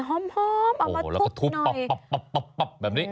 หอมออกมาทุกหน่อยโอ้โหแล้วก็ทุบป๊อบแบบนี้